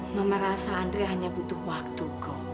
mama rasa andre hanya butuh waktu